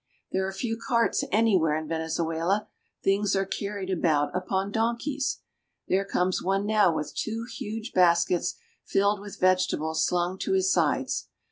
There are few carts anywhere in Venezuela. Things are carried about upon donkeys. There comes one now with CARP. S. AM. — 2» 332 VENEZUELA. two huge baskets filled with vegetables slung to his sides.